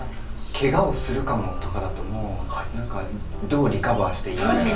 「ケガをするかも」とかだともうどうリカバーしていいのやら。